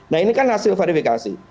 nah ini kan hasil verifikasi